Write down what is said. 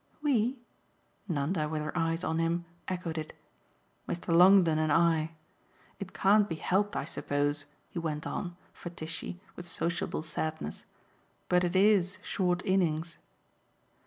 "'We'?" Nanda, with her eyes on him, echoed it. "Mr. Longdon and I. It can't be helped, I suppose," he went on, for Tishy, with sociable sadness, "but it IS short innings."